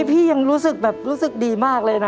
พี่ยังรู้สึกแบบรู้สึกดีมากเลยนะ